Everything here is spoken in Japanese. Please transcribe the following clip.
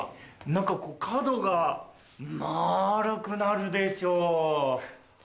何か角が丸くなるでしょう。